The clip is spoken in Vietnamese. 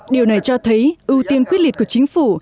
điều này cho thấy ưu tiên quyết liệt của chính phủ